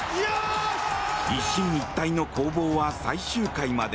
一進一退の攻防は最終回まで。